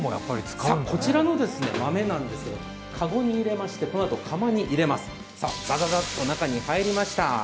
こちらの豆なんですが、籠に入れましてこのあと釜に入れます、ザザザッと入りました。